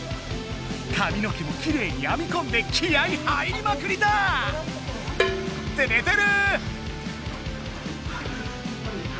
かみの毛もキレイにあみこんで気合い入りまくりだ！って寝てる！